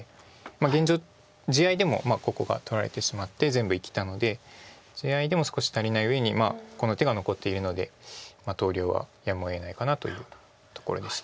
現状地合いでもここが取られてしまって全部生きたので地合いでも少し足りないうえにこの手が残っているので投了はやむをえないかなというところでした。